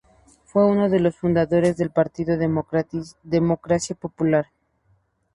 Fue uno de los fundadores del partido Democracia Popular.